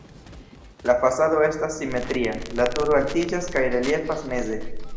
La fasado estas simetria, la turo altiĝas kaj reliefas meze.